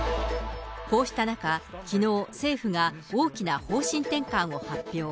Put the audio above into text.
こうした中、きのう、政府が大きな方針転換を発表。